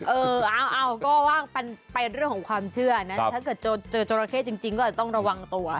เออเอาก็ว่าเป็นเรื่องของความเชื่อนะถ้าเกิดเจอจราเข้จริงก็อาจจะต้องระวังตัว